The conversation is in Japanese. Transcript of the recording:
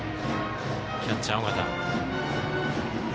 キャッチャー、尾形。